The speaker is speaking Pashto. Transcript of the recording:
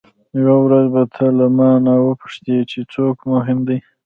یوه ورځ به ته له مانه وپوښتې چې څوک مهم دی.